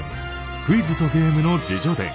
「クイズとゲームの自叙伝」。